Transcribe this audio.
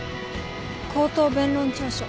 口頭弁論調書。